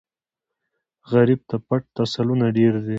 غریب ته پټ تسلونه ډېر دي